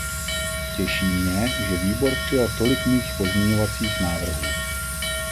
Těší mě, že výbor přijal tolik mých pozměňovacích návrhů.